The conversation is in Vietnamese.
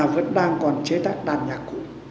vẫn đang còn chế tách đàn nhạc cũ